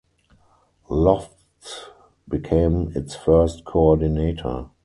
Lofts became its first coordinator.